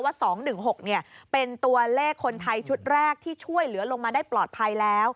๒๑๖เป็นตัวเลขคนไทยชุดแรกที่ช่วยเหลือลงมาได้ปลอดภัยแล้ว